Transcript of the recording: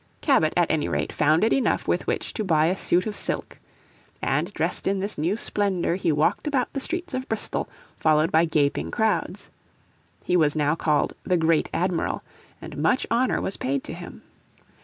Cabot at any rate found it enough with which to buy a suit of silk. And dressed in this new splendour he walked about the streets of Bristol followed by gaping crowds. He was now called the Great Admiral, and much honour was paid to him.